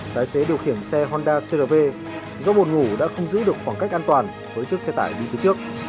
tái xế điều khiển xe honda cr v do buồn ngủ đã không giữ được khoảng cách an toàn với chiếc xe tải đi từ trước